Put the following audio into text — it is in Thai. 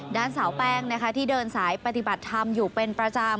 ด้านสาวแป้งนะคะที่เดินสายปฏิบัติธรรมอยู่เป็นประจำ